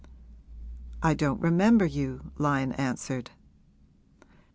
'I don't remember you,' Lyon answered.